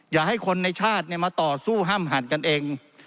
อย่าให้คนในชาติมาต่อสู้ห้ามหันกันเอง